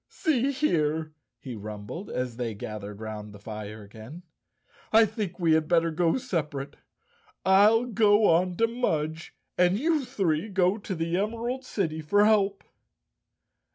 "See here," he rumbled, as they gathered round the fire again, "I think we had better separate. I'll go on to Mudge and you three go to the Emerald City for help."